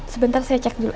sebentar saya cek dulu